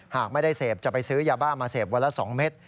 หากไม่ได้เสพจะไปซื้อยาบ้ามาเสพวันละ๒เม็ด